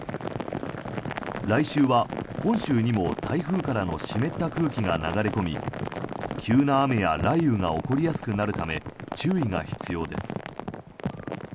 来週は本州にも台風からの湿った空気が流れ込み急な雨や雷雨が起こりやすくなるため注意が必要です。